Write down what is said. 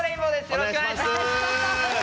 よろしくお願いします！